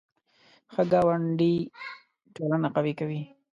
ښه ګاونډي ټولنه قوي کوي